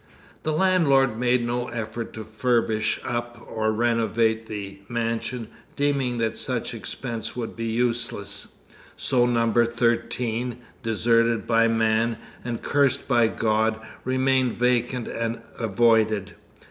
The landlord made no effort to furbish up or renovate the mansion, deeming that such expense would be useless; so No. 13, deserted by man, and cursed by God, remained vacant and avoided.